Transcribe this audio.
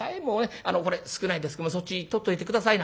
あのこれ少ないですけどそっち取っといて下さいな」。